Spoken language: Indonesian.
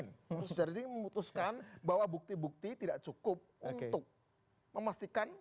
untuk secara dingin memutuskan bahwa bukti bukti tidak cukup untuk memastikan